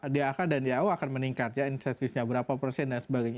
dak dan dau akan meningkat ya insentifnya berapa persen dan sebagainya